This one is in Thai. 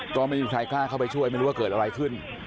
ก็ไม่มีใครกล้าเข้าไปช่วยไม่รู้ว่าเกิดอะไรขึ้น